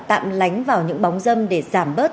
tạm lánh vào những bóng dâm để giảm bớt